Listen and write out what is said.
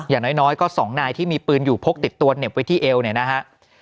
อย่างน้อยก็๒นายที่มีปืนอยู่พกติดตัวเหน็บไว้ที่เอวเนี่ยนะฮะ